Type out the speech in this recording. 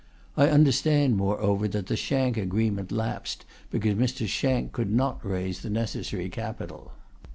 I understand, moreover, that the Shank agreement lapsed because Mr. Shank could not raise the necessary capital.